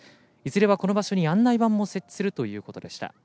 いずれは、ここに案内板も設置するということでした。